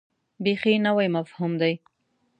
بیخي نوی مفهوم دی.